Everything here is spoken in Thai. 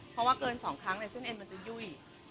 เพราะว่าเกิน๒ครั้งเส้นเอ็นมันจะยุ่ย